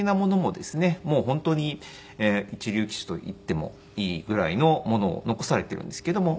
もう本当に一流棋士といってもいいぐらいのものを残されているんですけども。